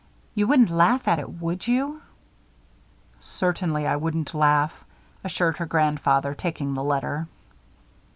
You wouldn't laugh at it, would you?" "Certainly I wouldn't laugh," assured her grandfather, taking the letter.